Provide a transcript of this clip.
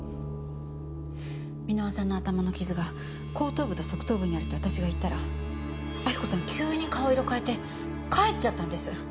箕輪さんの頭の傷が後頭部と側頭部にあるって私が言ったら亜希子さん急に顔色変えて帰っちゃったんです。